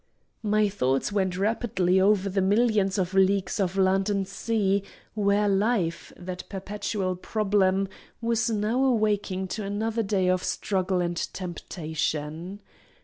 My thoughts went rapidly over the millions of leagues of land and sea, where life, that perpetual problem, was now awaking to another day of struggle and temptation.